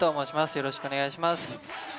よろしくお願いします。